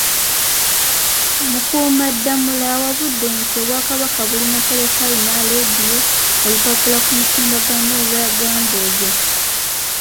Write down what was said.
Mukuumaddamula awabudde nti, Obwakabaka bulina Terefayina, Leediyo, Olupapula ku mutimbagano olwa Gambuuze.